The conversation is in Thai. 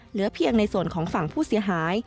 เหลือเพียงในส่วนของฝั่งผู้เสียหาย